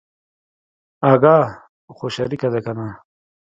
اگه خو شريکه ده کنه.